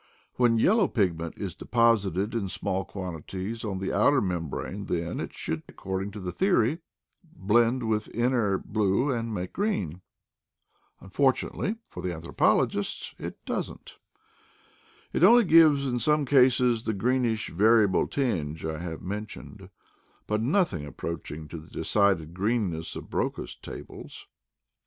When yellow pigment is deposited in small quan tity on the outer membrane, then it should, accord ing to the theory, blend with the inner blue and make green. Unfortunately for the anthropolo 192 IDLE DATS IN PATAGONIA gists, it doesn't. It only gives in some cases the greenish variable tinge I have mentioned, but nothing approaching to the decided greens of Broca's tables.